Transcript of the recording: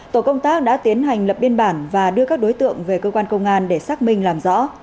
tổ công tác đã tiến hành lập biên bản và đưa các đối tượng về cơ quan công an để xác minh làm rõ